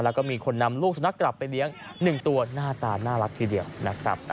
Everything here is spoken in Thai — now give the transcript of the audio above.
แล้วก็มีคนนำลูกสุนัขกลับไปเลี้ยง๑ตัวหน้าตาน่ารักทีเดียวนะครับ